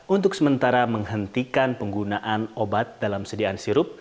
untuk sementara menghentikan penggunaan obat dalam sediaan sirup